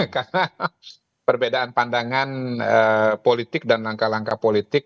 karena perbedaan pandangan politik dan langkah langkah politik